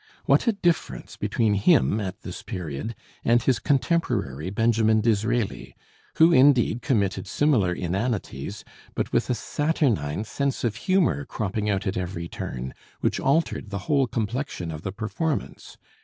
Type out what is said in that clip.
What a difference between him, at this period, and his contemporary Benjamin Disraeli, who indeed committed similar inanities, but with a saturnine sense of humor cropping out at every turn which altered the whole complexion of the performance.